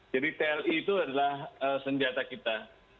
jadi tri itu adalah senjata kita